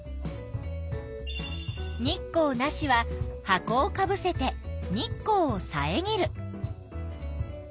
「日光なし」は箱をかぶせて日光をさえぎる。